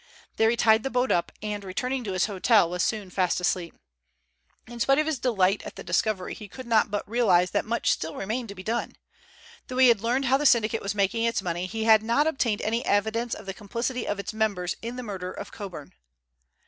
There he tied the boat up, and returning to his hotel, was soon fast asleep. In spite of his delight at the discovery, he could not but realize that much still remained to be done. Though he had learned how the syndicate was making its money, he had not obtained any evidence of the complicity of its members in the murder of Coburn.